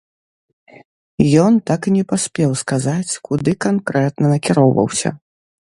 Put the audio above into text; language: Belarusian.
Ён так і не паспеў сказаць, куды канкрэтна накіроўваўся.